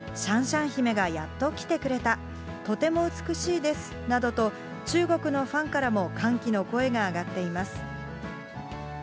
きのうから一般公開され、ＳＮＳ上ではシャンシャン姫がやっと来てくれた、とても美しいですなどと、中国のファンからも歓喜の声が上がっています。